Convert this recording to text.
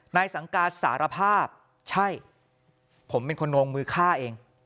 นายสังการสารภาพใช่ผมเป็นคนลงมือฆ่าเอง